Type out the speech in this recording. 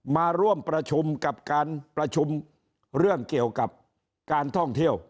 มาร่วมประชุมกับการประชุมเรื่องเกี่ยวกับการท่องเที่ยว